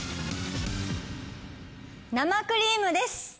生クリームです。